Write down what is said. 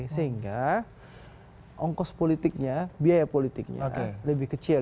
sehingga ongkos politiknya biaya politiknya lebih kecil